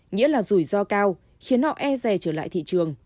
nghĩa là rủi ro cao khiến họ e rè trở lại thị trường